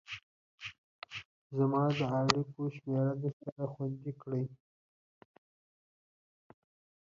زما د اړيكو شمېره درسره خوندي کړئ